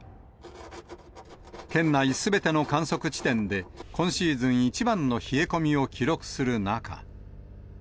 県内すべての観測地点で、今シーズン一番の冷え込みを記録する中。